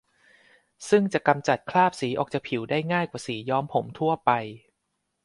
ซึ่งจะกำจัดคราบสีออกจากผิวได้ง่ายกว่าสีย้อมผมทั่วไป